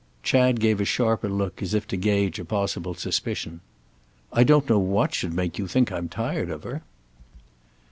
Chad gave a sharper look, as if to gauge a possible suspicion. "I don't know what should make you think I'm tired of her."